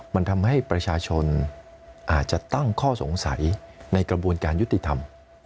มันทำให้ประชาชนอาจจะตั้งข้อสงสัยในกระบวนการยุติธรรม